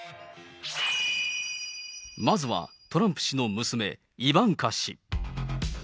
まずはトランプ氏の娘、イバンカ氏。